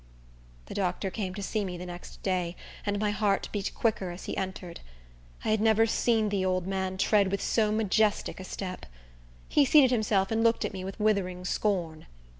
The doctor came to see me the next day, and my heart beat quicker as he entered. I never had seen the old man tread with so majestic a step. He seated himself and looked at me with withering scorn.